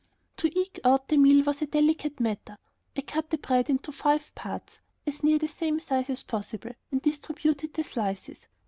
To eke out the meal was a delicate matter. I cut the bread into five parts, as near the same size as possible, and distributed the slices.